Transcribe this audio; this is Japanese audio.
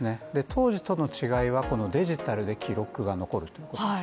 当時との違いは、デジタルで記録が残るという。